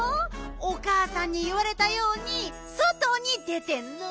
おかあさんにいわれたようにそとに出てんの。